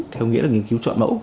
theo nghĩa là nghiên cứu chọn mẫu